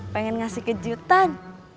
pengen ngasih kejutan